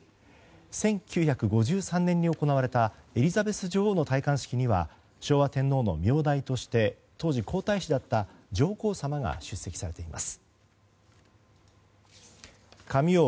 １９５３年に行われたエリザベス女王の戴冠式には昭和天皇の名代として当時、皇太子だった上皇さまが出席されています。